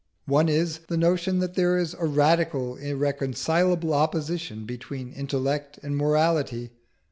One is, the notion that there is a radical, irreconcilable opposition between intellect and morality.